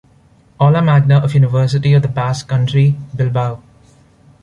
Aula Magna of University of the Basque Country, Bilbao.